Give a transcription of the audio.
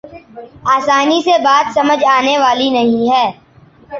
آسانی سے بات سمجھ آنے والی نہیں ہے۔